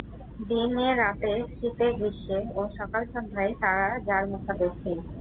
দিনে রাতে, শীতে গ্রীষ্মে ও সকাল সন্ধ্যায় তারা যার মুখাপেক্ষী।